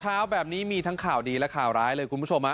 เช้าแบบนี้มีทั้งข่าวดีและข่าวร้ายเลยคุณผู้ชม